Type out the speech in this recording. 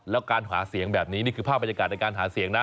แล้วการหาเสียงแบบนี้นี่คือภาพบรรยากาศในการหาเสียงนะ